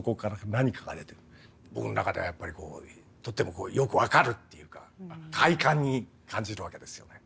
僕の中ではやっぱりこうとてもよく分かるっていうか快感に感じるわけですよね。